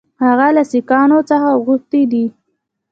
هغه له سیکهانو څخه غوښتي دي.